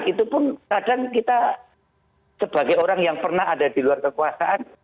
itu pun kadang kita sebagai orang yang pernah ada di luar kekuasaan